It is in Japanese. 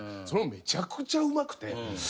それもめちゃくちゃうまくて。